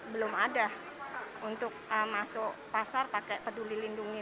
belum ada untuk masuk pasar pakai peduli lindungi